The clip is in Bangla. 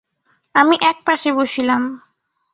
আমি এক পাশে বসিলাম।